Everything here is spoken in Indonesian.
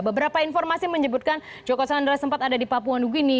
beberapa informasi menyebutkan joko chandra sempat ada di papua new guinea